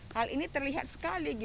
hal ini terlihat sekali